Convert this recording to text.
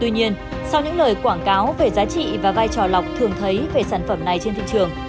tuy nhiên sau những lời quảng cáo về giá trị và vai trò lọc thường thấy về sản phẩm này trên thị trường